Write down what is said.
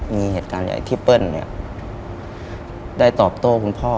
มีเหตุการณ์ใหญ่ที่เปิ้ลได้ตอบโต้คุณพ่อ